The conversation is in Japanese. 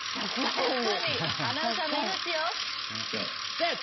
アナウンサーの命よ！